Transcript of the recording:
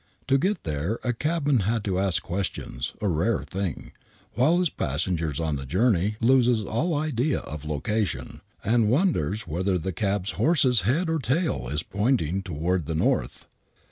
To get there a cabman had to ask questions — a rare thing — while his passengers on the journey loses all idea of location, and wonders whether the cab horse's head or tail is pointing toward the north.